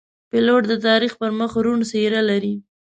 پیلوټ د تاریخ پر مخ روڼ څېره لري.